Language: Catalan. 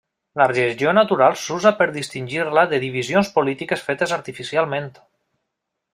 La regió natural s'usa per distingir-la de divisions polítiques fetes artificialment.